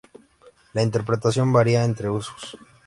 La interpretación varía entre usos.